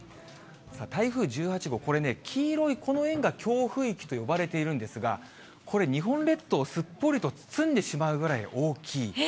台風１８号、これね、黄色いこの円が強風域と呼ばれているんですが、これ、日本列島をすっぽりと包んでしまうぐらい大きい。